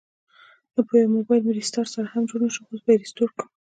نپوهیږم مبایل مې ریسټارټ سره هم جوړ نشو، اوس به یې ریسټور کړم